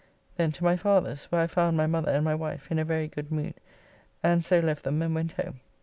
Then to my Father's, where I found my mother and my wife in a very good mood, and so left them and went home.